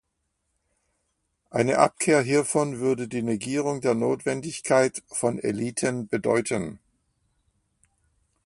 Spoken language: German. Eine Abkehr hiervon würde die Negierung der Notwendigkeit von Eliten bedeuten.